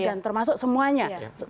dan termasuk semuanya